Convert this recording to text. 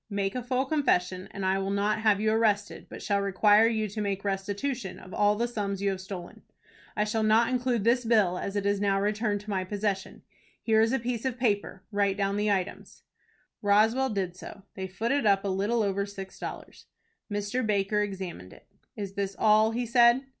Make a full confession, and I will not have you arrested, but shall require you to make restitution of all the sums you have stolen. I shall not include this bill, as it is now returned to my possession. Here is a piece of paper. Write down the items." Roswell did so. They footed up a little over six dollars. Mr. Baker examined it. "Is this all?" he said.